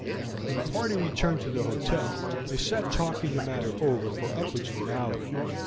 When the party returned to the hotel they sat talking the matter over for upwards of an hour.